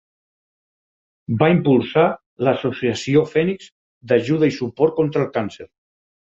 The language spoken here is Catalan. Va impulsar l'Associació Fènix d'ajuda i suport contra el càncer.